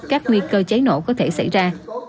các nguy cơ cháy nổ có thể xảy ra